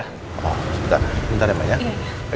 oh sebentar ya pak